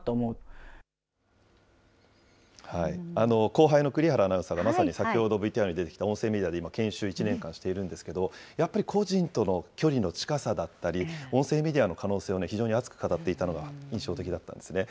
後輩の栗原アナウンサーがまさに先ほどＶＴＲに出てきた音声メディアで研修１年間しているんですけれども、やっぱり個人との距離の近さだったり、音声メディアの可能性を非常に熱く語っていたのが印象的だったんですね。